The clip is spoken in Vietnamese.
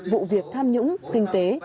vụ việc tham nhũng tinh tế